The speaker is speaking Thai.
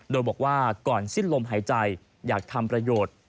โดยบอกว่าก่อนสิ้นลมหายใจอยากทำประโยชน์